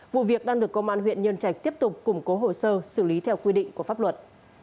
vụ việc đang được công an huyện nhân trạch tiếp tục củng cố hồ sơ xử lý theo quy định của pháp luật